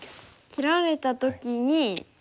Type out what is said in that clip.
切られた時に２手。